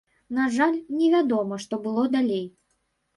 На жаль, невядома, што было далей.